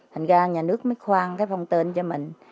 thành ra nhà nước mới khoan cái phòng chống